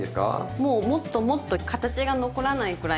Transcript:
もうもっともっと形が残らないくらいまで混ぜて下さい。